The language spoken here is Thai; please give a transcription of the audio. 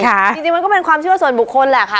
จริงมันก็เป็นความเชื่อส่วนบุคคลแหละค่ะ